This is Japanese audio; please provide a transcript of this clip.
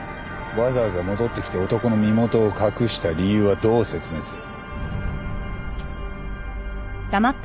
わざわざ戻ってきて男の身元を隠した理由はどう説明する？